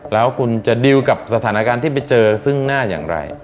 แล้วคุณจะดิวกับสถานการณ์ที่ไปเจอซึ่งหน้าอย่างไร